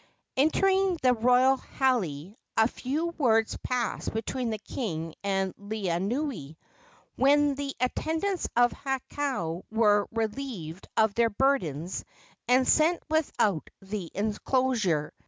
Entering the royal hale, a few words passed between the king and Laeanui, when the attendants of Hakau were relieved of their burdens and sent without the enclosure.